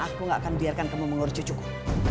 aku gak akan biarkan kamu mengurus cucuku